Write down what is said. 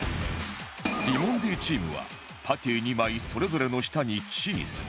ティモンディチームはパティ２枚それぞれの下にチーズ